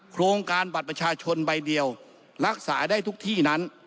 โครงการบัตรประชาชนใบเดียวรักษาได้ทุกที่นั้น